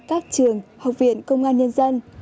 các trường học viện công an nhân dân